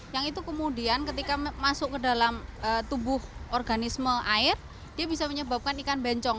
yang itu kemudian ketika masuk ke dalam tubuh organisme air dia bisa menyebabkan ikan bencong